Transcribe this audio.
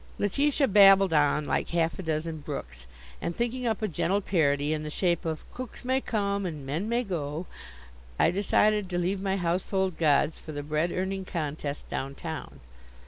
Letitia babbled on like half a dozen brooks, and thinking up a gentle parody, in the shape of, "cooks may come, and men may go," I decided to leave my household gods for the bread earning contest down town.